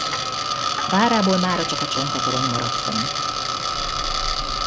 Várából mára csak a csonka torony maradt fenn.